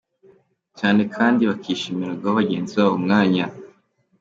cyane, kandi bakishimira guha bagenzi babo umwanya